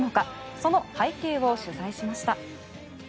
その背景を取材しました。